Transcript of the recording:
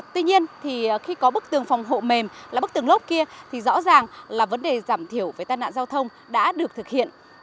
tuy nhiên thì khi có bức tường phòng hộ mềm là bức tường lốp kia thì rõ ràng là vấn đề giảm thiểu về tai nạn giao thông đã được thực hiện